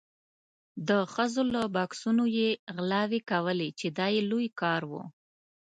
د ښځو له بکسونو یې غلاوې کولې چې دا یې لوی کار و.